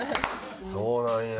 そうなんや。